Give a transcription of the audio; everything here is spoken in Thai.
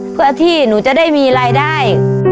เพื่อที่หนูจะได้มีรายได้